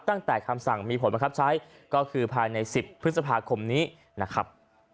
ตั้งแต่คำสั่งมีผลบังคับใช้ก็คือภายใน๑๐พฤษภาคมนี้นะครับ